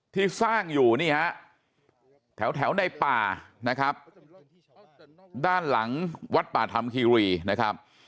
ที่สร้างอยู่นี่ฮะแถวในป่านะครับด้านหลังวัดป่าธรรมคีรีนะครับ